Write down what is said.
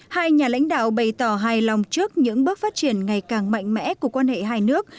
hai nhà lãnh đạo bày tỏ hài lòng trước những bước phát triển ngày càng mạnh mẽ của quan hệ hai nước